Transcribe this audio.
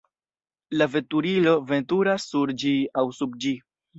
La veturilo veturas sur ĝi aŭ sub ĝi.